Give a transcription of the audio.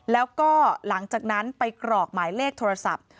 แล้วก็หลังจากนั้นไปกรอกหมายเลขโทรศัพท์